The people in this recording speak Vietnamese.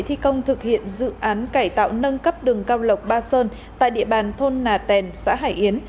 thi công thực hiện dự án cải tạo nâng cấp đường cao lộc ba sơn tại địa bàn thôn nà tèn xã hải yến